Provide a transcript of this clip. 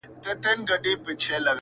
میاشت لا نه وه تېره سوې چي قیامت سو-